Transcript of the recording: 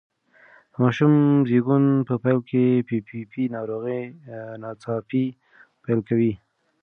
د ماشوم زېږون په پیل کې پي پي پي ناروغي ناڅاپي پیل کوي.